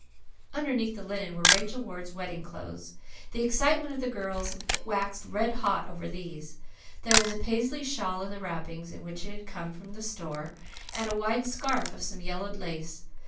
Underneath the linen were Rachel Ward's wedding clothes. The excitement of the girls waxed red hot over these. There was a Paisley shawl in the wrappings in which it had come from the store, and a wide scarf of some yellowed lace.